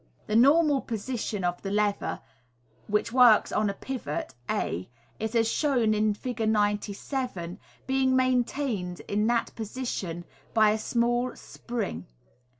The normal position of the lever (which works on a pivot, a) is as shown in Fig. 97, being maintained in that position by a small spring.